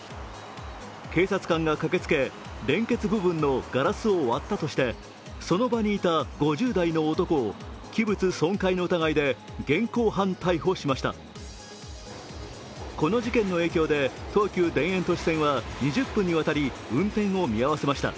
警察官が駆けつけ、連結部分のガラスを割ったとしてその場にいた５０代の男を器物損壊の疑いで現行犯逮捕しました。